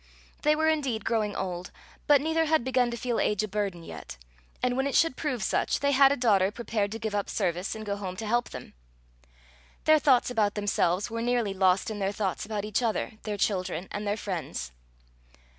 They were indeed growing old, but neither had begun to feel age a burden yet, and when it should prove such, they had a daughter prepared to give up service and go home to help them. Their thoughts about themselves were nearly lost in their thoughts about each other, their children, and their friends.